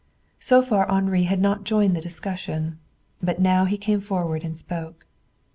So far Henri had not joined in the discussion. But now he came forward and spoke.